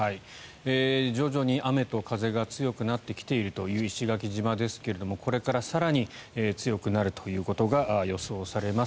徐々に雨と風が強くなってきているという石垣島ですけどもこれから更に強くなるということが予想されます。